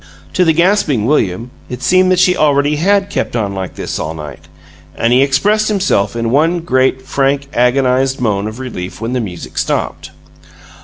To the gasping William it seemed that she already had kept on like this all night, and he expressed himself in one great, frank, agonized moan of relief when the music stopped.